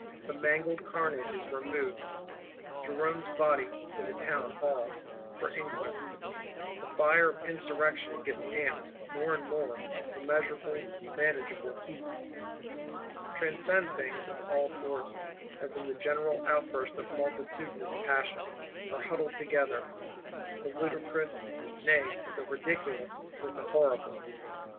The mangled carnage is removed; Jerome's body to the Townhall, for inquest: the fire of Insurrection gets damped, more and more, into measurable, manageable heat. Transcendent things of all sorts, as in the general outburst of multitudinous Passion, are huddled together; the ludicrous, nay the ridiculous, with the horrible.